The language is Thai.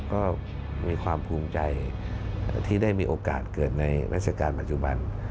ก็มีความภูมิใจที่ได้มีโอกาสเกิดในราชการปัจจุบัน